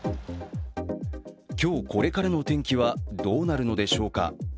今日これからの天気はどうなるのでしょうか。